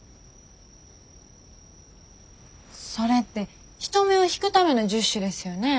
それって人目を引くための１０首ですよね。